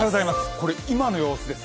これ、今の様子です。